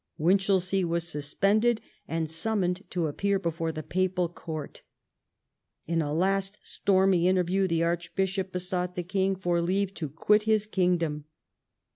Winchelsea was suspended and summoned to appear before the papal court. In a last stormy interview the archbishop besought the king for leave to quit his kingdom.